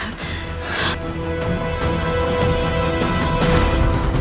kau harus mencari surawee